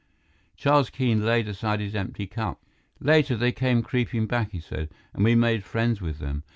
Charles Keene laid aside his empty cup. "Later, they came creeping back," he said, "and we made friends with them.